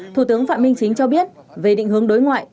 thủ tướng phạm minh chính cho biết về định hướng đối ngoại